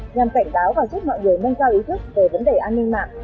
nhằm cảnh báo và giúp mọi người nâng cao ý thức về vấn đề an ninh mạng